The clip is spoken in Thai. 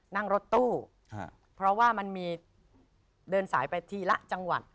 นั่งรถตู้เพราะว่ามันมีเดินสายไปทีละจังหวัด